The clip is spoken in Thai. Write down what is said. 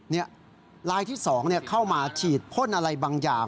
นี่ลายที่๒เข้ามาฉีดพ่นอะไรบางอย่าง